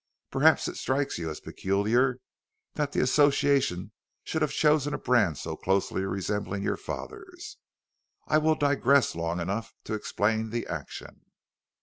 Perhaps it strikes you as peculiar that the Association should have chosen a brand so closely resembling your father's. I will digress long enough to explain the action."